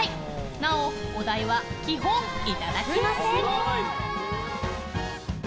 なお、お代は基本いただきません。